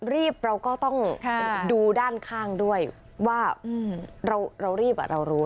รีบเราก็ต้องดูด้านข้างด้วยว่าเรารีบเรารู้